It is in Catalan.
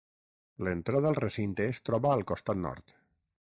L'entrada al recinte es troba al costat nord.